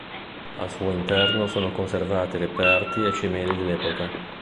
Al suo interno sono conservati reperti e cimeli dell'epoca.